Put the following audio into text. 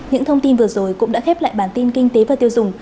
những thông tin vừa rồi cũng đã khép lại bản tin kinh tế và tiêu dùng